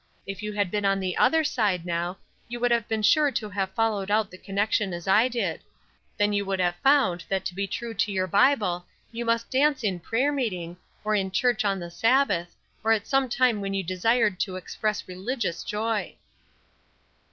"If you had been on the other side now, you would have been sure to have followed out the connection as I did; then you would have found that to be true to your Bible you must dance in prayer meeting, or in church on the Sabbath, or at some time when you desired to express religious joy."